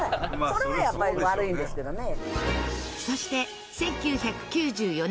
それはやっぱり悪いんですけどね。